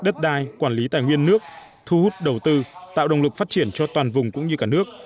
đất đai quản lý tài nguyên nước thu hút đầu tư tạo động lực phát triển cho toàn vùng cũng như cả nước